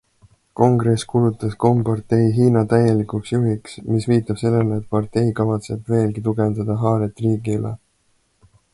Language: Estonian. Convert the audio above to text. Kongress kuulutas kompartei Hiina täielikuks juhiks, mis viitab sellele, et partei kavatseb veelgi tugevdada haaret riigi üle.